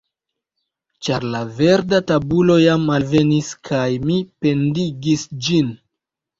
Ĉar la verda tabulo jam alvenis kaj mi pendigis ĝin.